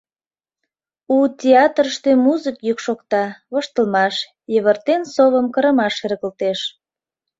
У театрыште музык йӱк шокта, воштылмаш, йывыртен совым кырымаш шергылтеш.